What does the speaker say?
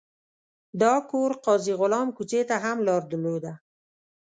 دا کور قاضي غلام کوڅې ته هم لار درلوده.